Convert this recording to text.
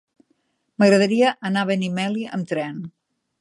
M'agradaria anar a Benimeli amb tren.